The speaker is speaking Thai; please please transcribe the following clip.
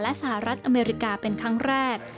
และสหรัฐอเมริกาเป็นครั้งแรก